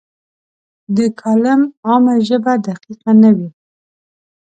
د کالم عامه ژبه دقیقه نه وي.